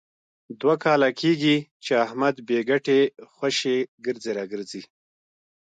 دوه کاله کېږي، چې احمد بې ګټې خوشې ګرځي را ګرځي.